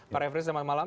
pak refri selamat malam